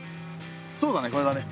そうだねこれだね。